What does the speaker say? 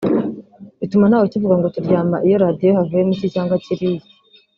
bituma nta wukivuga ngo turyama iyo muri radiyo havuyemo iki cyangwa kiriya